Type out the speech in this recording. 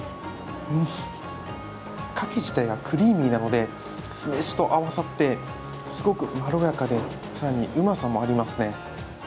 かき自体がクリーミーなので酢飯と合わさってすごくまろやかで更にうまさもありますね。